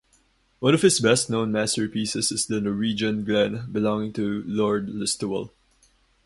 One of his best-known masterpieces is the Norwegian glen belonging to Lord Listowel.